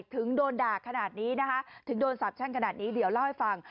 ถึงโดนด่าขนาดนี้นะคะถึงโดนสาบแช่งขนาดนี้เดี๋ยวเล่าให้ฟัง